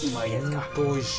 本当おいしい。